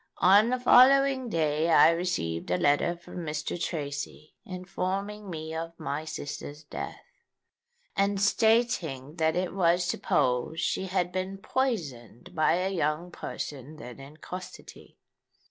"On the following day I received a letter from Mr. Tracy informing me of my sister's death, and stating that it was supposed she had been poisoned by a young person then in custody.